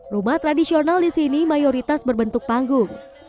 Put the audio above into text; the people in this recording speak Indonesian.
rumah tradisional di sini mayoritas berbentuk panggung